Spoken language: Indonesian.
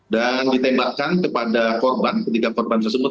dan ditembakkan kepada korban ketiga korban tersebut